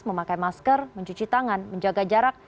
memakai masker mencuci tangan menjaga jarak